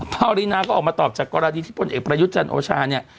ภาวรีนาก็ออกมาตอบจากกรณีที่พลเอกประยุทธ์จันทร์โอชาเนี่ย